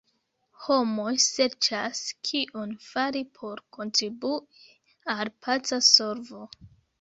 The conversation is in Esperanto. Homoj serĉas, kion fari por kontribui al paca solvo.